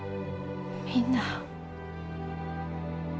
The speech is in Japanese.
みんな。